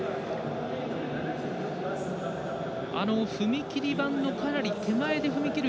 踏切板のかなり手前で踏み切る